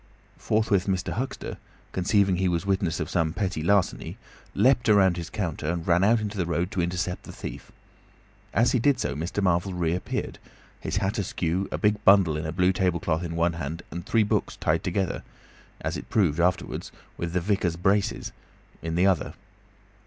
Forthwith Mr. Huxter, conceiving he was witness of some petty larceny, leapt round his counter and ran out into the road to intercept the thief. As he did so, Mr. Marvel reappeared, his hat askew, a big bundle in a blue table cloth in one hand, and three books tied together—as it proved afterwards with the Vicar's braces—in the other.